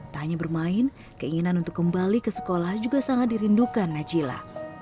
tak hanya bermain keinginan untuk kembali ke sekolah juga sangat dirindukan najila